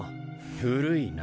古いな。